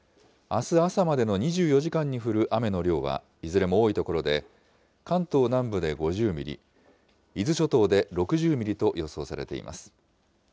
あす朝までの２４時間に降る雨の量は、いずれも多い所で、関東南部で５０ミリ、伊豆諸島で６０ミリと予想されています。